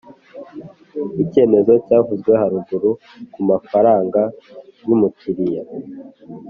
icyemzo cyavuzwe haruguru ku amafaranga y umukiriya